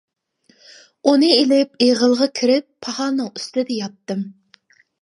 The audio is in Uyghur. ئۇنى ئېلىپ ئېغىلغا كىرىپ، پاخالنىڭ ئۈستىدە ياتتىم.